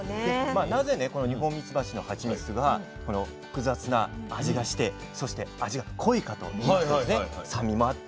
なぜねこのニホンミツバチのハチミツが複雑な味がしてそして味が濃いかといいますと酸味もあって。